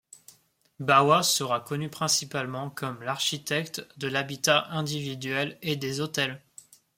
Bawa sera connu principalement comme l'architecte de l'habitat individuel et des hôtels.